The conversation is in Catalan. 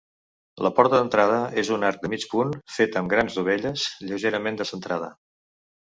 La porta d'entrada és un arc de mig punt fet amb grans dovelles, lleugerament descentrada.